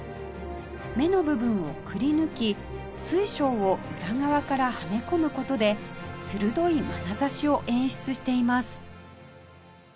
目の部分をくり抜き水晶を裏側からはめ込む事で鋭い眼差しを演出しています